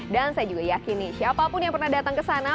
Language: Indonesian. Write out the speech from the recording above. dan saya juga yakin siapapun yang pernah datang ke sana